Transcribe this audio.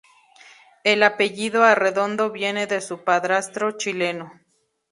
El apellido Arredondo viene de su padrastro chileno.